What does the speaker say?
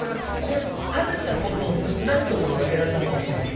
食べたことないものを選んだほうがいいですか？